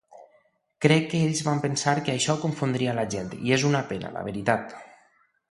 Crec que ells van pensar que això confondria a la gent, i és una pena, la veritat.